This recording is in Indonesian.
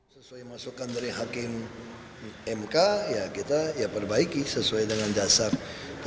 sesuai masukan dari hakim mk ya kita ya perbaiki sesuai dengan dasarnya